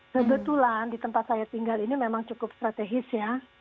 kebetulan di tempat saya tinggal ini memang cukup strategis ya